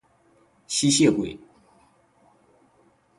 吸血鬼